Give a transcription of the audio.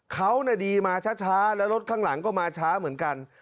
เขาดีมาช้าแล้วรถข้างหลังก็มาช้าเหมือนกัน